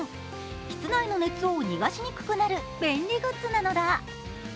室内の熱を逃がしにくくなる便利グッズなのだ。